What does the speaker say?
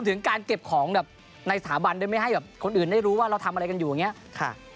ถึงการเก็บของแบบในสถาบันโดยไม่ให้แบบคนอื่นได้รู้ว่าเราทำอะไรกันอยู่อย่างนี้ค่ะ